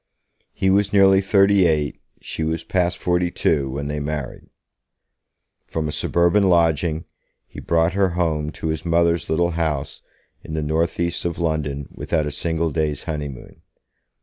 He was nearly thirty eight, she was past forty two, when they married. From a suburban lodging, he brought her home to his mother's little house in the northeast of London without a single day's honeymoon.